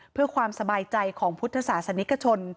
เพื่อความสบายใจของพุทธศาสนิกชน